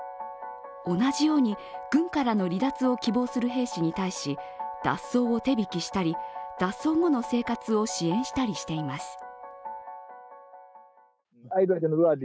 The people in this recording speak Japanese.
同じように軍からの離脱を希望する兵士に対し脱走を手引きしたり、脱走後の生活を支援したりしています。